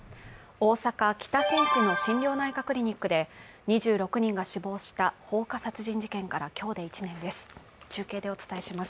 大阪・北新地の心療内科クリニックで２６日が死亡した放火殺人事件から今日で１年です。